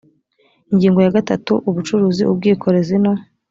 ingingo ya gatatu ubucuruzi ubwikorezi no